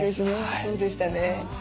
そうでしたね。